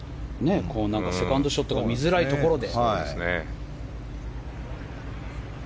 セカンドショットが見づらいところで。